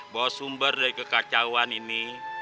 bahwa sumber dari kekacauan ini